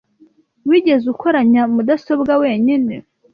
Wigeze ukoranya mudasobwa wenyine?